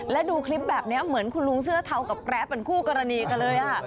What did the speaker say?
และดูคลิปแบบนี้เหมือนคุณลุงเสื้อเทากับแกรปเป็นคู่กรณีกันเลย